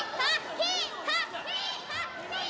ヒーハー！